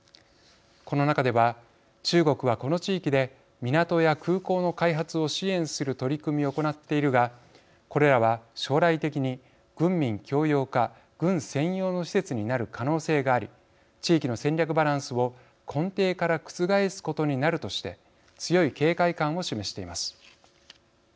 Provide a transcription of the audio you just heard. この中では中国は、この地域で港や空港の開発を支援する取り組みを行っているがこれらは、将来的に軍民共用か軍専用の施設になる可能性があり地域の戦略バランスを根底から覆すことになるとして強い警戒感を示しています。